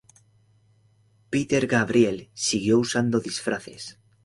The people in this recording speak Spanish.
Peter Gabriel siguió usando disfraces.